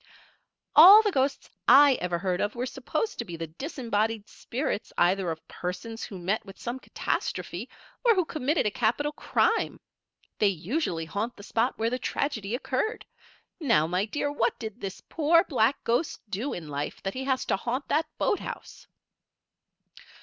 "All the ghosts I ever heard of were supposed to be the disembodied spirits either of persons who met with some catastrophe, or who committed a capital crime. They usually haunt the spot where the tragedy occurred. Now, my dear, what did this poor, black ghost do in life that he has to haunt that boathouse?"